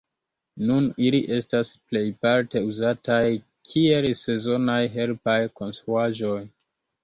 Nun ili estas plejparte uzataj kiel sezonaj helpaj konstruaĵoj.